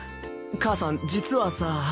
母さん実はさ。